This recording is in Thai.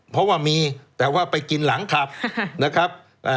เพราะว่ามีแต่ว่าไปกินหลังขับนะครับ